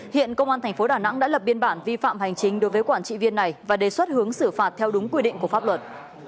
hiện công an tp đà nẵng đã lập biên bản vi phạm hành chính đối với quản trị viên này và đề xuất hướng xử phạt theo đúng quy định của pháp luật